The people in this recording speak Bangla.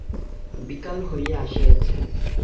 বিকাল হইয়া আসিয়াছে।